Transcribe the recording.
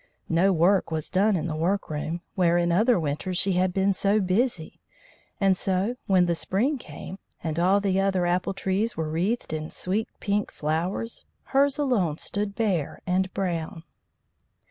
No work was done in the workroom, where in other winters she had been so busy, and so, when the spring came, and all the other apple trees were wreathed in sweet pink flowers, hers alone stood bare and brown.